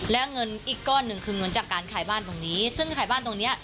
และเงินอีกก้อนหนึ่งคือเงินจากการขายบ้านตรงนี้